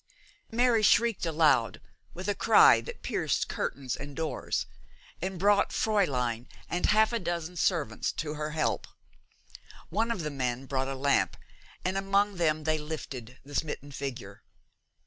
Mary shrieked aloud, with a cry that pierced curtains and doors, and brought Fräulein and half a dozen servants to her help. One of the men brought a lamp, and among them they lifted the smitten figure.